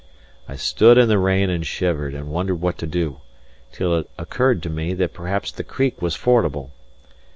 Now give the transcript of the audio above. I stood in the rain, and shivered, and wondered what to do, till it occurred to me that perhaps the creek was fordable.